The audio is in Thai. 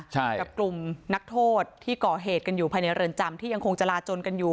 ใช่กับกลุ่มนักโทษที่ก่อเหตุกันอยู่ภายในเรือนจำที่ยังคงจราจนกันอยู่